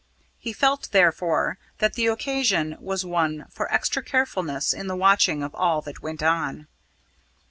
He felt, therefore, that the occasion was one for extra carefulness in the watching of all that went on.